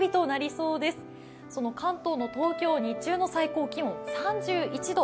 その関東の東京、日中の最高気温３１度。